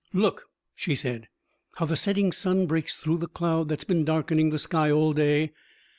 "Look," she said, "how the setting sun breaks through the cloud that's been darkening the sky all day.